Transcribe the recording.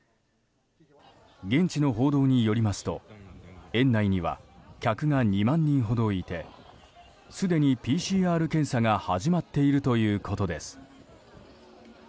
現地の報道によりますと園内には客が２万人ほどいてすでにＰＣＲ検査が始まっているということです。